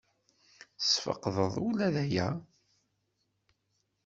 Tesfeqdeḍ ula d aya?